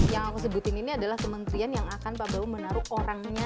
yang aku sebutin ini adalah kementerian yang akan pak bau menaruh orangnya